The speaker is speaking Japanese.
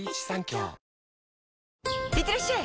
いってらっしゃい！